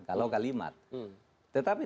kalau kalimat tetapi